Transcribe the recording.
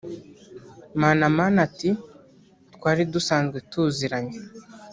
Manamana ati “ Twari dusanzwe tuziranye